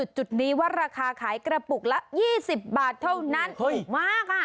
จุดนี้ว่าราคาขายกระปุกละ๒๐บาทเท่านั้นถูกมากค่ะ